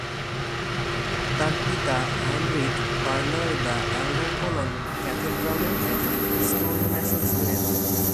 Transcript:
তাঁর পিতা Heinrich Parler the Elder Cologne ক্যাথেড্রালের একজন স্টোনম্যাসন ছিলেন।